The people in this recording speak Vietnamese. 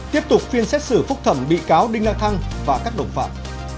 tiếp tục phiên xét xử phúc thẩm bị cáo đinh la thăng và các đồng phạm